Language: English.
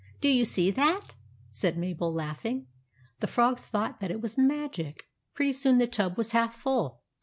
"Do you see that?" said Mabel, laugh ing. The Frog thought that it was magic. Pretty soon the tub was half full.